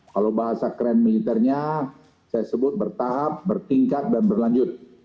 kalau bahasa keren militernya saya sebut bertahap bertingkat dan berlanjut